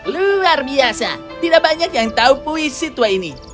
luar biasa tidak banyak yang tahu puisi tua ini